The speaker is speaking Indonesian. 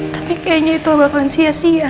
tapi kayaknya itu bakalan sia sia